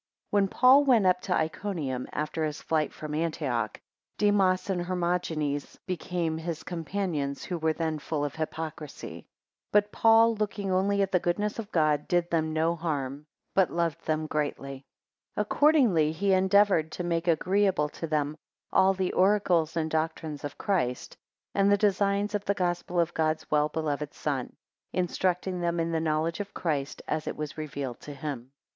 WHEN Paul went up to Iconium, after his flight from Antioch, Demas and Hermogenes became his companions, who were then full of hypocrisy. 2 But Paul looking only at the goodness of God, did them no harm, but loved them greatly. 3 Accordingly he endeavoured to make agreeable to them all the oracles and doctrines of Christ, and the design of the Gospel of God's well beloved son; instructing them in the knowledge of Christ, as it was revealed to him.